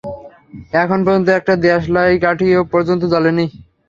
এখন পর্যন্ত একটা দেশলাইকাঠি পর্যন্ত জ্বলেনি!